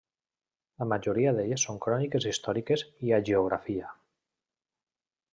La majoria d'elles són cròniques històriques i hagiografia.